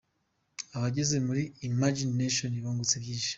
Abageze muri ‘Imagine Nation’ bungutse byinshi.